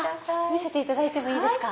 見せていただいていいですか？